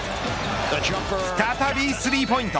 再びスリーポイント。